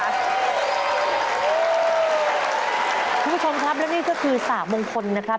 คุณผู้ชมครับและนี่ก็คือสามงคลนะครับ